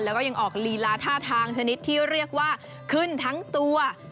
แล้วก็ยังออกลีลาท่าทางชนิดที่เรียกว่าขึ้นทั้งตัว